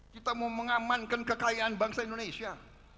kita mau mengamankan kekayaan bangsa indonesia